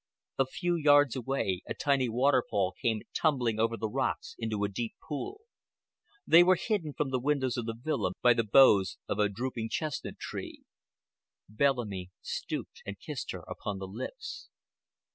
A few yards away a tiny waterfall came tumbling over the rocks into a deep pool. They were hidden from the windows of the villa by the boughs of a drooping chestnut tree. Bellamy stooped and kissed her upon the lips.